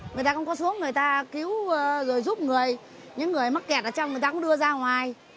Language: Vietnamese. người ta không có xuống người ta cứu rồi giúp người những người mắc kẹt ở trong người ta cũng đưa ra ngoài